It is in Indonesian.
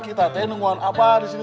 kita sudah menunggu abah di luar sini